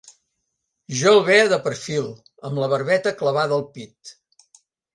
Jo el veia de perfil, amb la barbeta clavada al pit